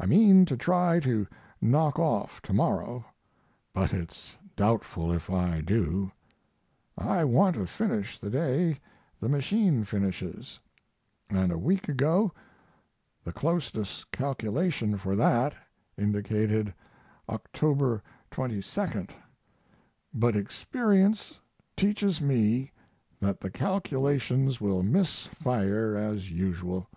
I mean to try to knock off tomorrow, but it's doubtful if I do. I want to finish the day the machine finishes, and a week ago the closest calculations for that indicated Oct. 22 but experience teaches me that the calculations will miss fire as usual.